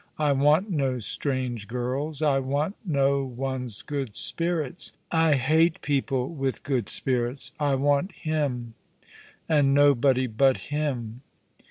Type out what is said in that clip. I want no strange girls. I want no one's good spirits. I hate people with good spirits. I want him, and nobody but him